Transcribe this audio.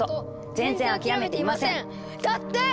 「全然諦めていません」だって！